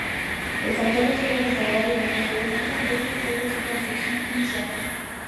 El santuario ha sido restaurado y reconstruido muchas veces desde su construcción inicial.